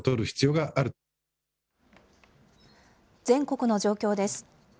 全国の状況です。